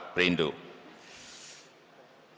terima kasih pak ketua